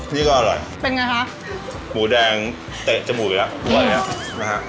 นี่ก็อร่อยเป็นไงคะหมูแดงเตะจมูกอีกแล้ว